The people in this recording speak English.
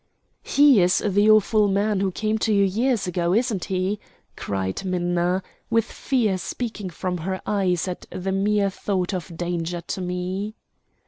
"He is the awful man who came to you years ago, isn't he?" cried Minna, with fear speaking from her eyes at the mere thought of danger to me.